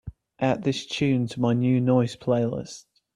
add this tune to my New Noise playlist